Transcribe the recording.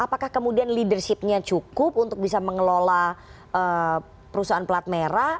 apakah kemudian leadershipnya cukup untuk bisa mengelola perusahaan pelat merah